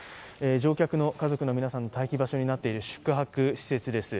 乗客の家族の皆さんの待機場所になっている宿泊施設です。